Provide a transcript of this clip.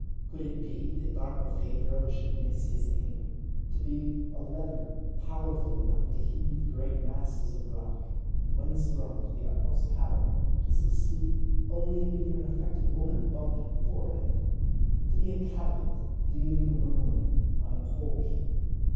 could it be that Barkilphedro should miss his aim? To be a lever powerful enough to heave great masses of rock, and when sprung to the utmost power to succeed only in giving an affected woman a bump in the forehead to be a catapult dealing ruin on a pole kitten!